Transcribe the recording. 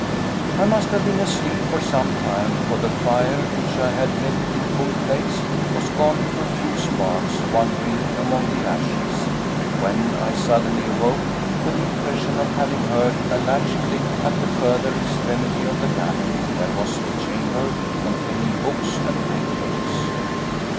I must have been asleep for some time, for the fire, which I had left in full blaze, was gone to a few sparks wandering among the ashes, when I suddenly awoke with the impression of having heard a latch click at the further extremity of the gallery, where was the chamber containing books and papers.